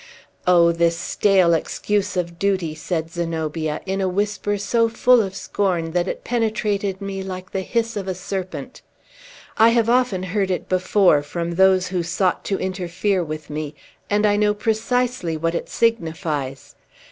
"Oh, this stale excuse of duty!" said Zenobia, in a whisper so full of scorn that it penetrated me like the hiss of a serpent. "I have often heard it before, from those who sought to interfere with me, and I know precisely what it signifies.